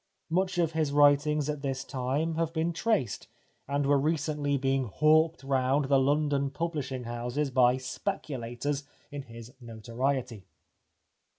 Much of his writings at this time have been traced, and were recently being hawked round the London pubhshing houses by speculators in his notoriety.